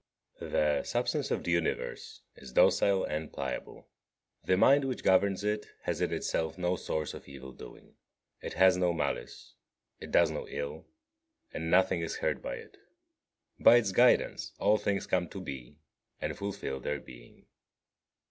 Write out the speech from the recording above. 1. The substance of the Universe is docile and pliable. The mind which governs it has in itself no source of evil doing. It has no malice: it does no ill, and nothing is hurt by it. By its guidance all things come to be, and fulfil their being.